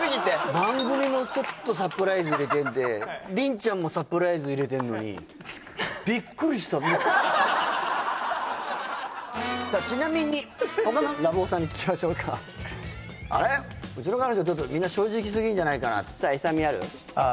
番組もちょっとサプライズ入れててりんちゃんもサプライズ入れてんのに「びっくりした」もさあちなみに他のラブ男さんに聞きましょうか「あれ？うちの彼女ちょっとみんな正直すぎんじゃないかな」さあ